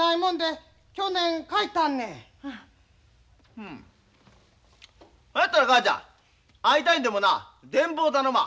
ふんそやったら母ちゃんあいたにでもな電文を頼まあ。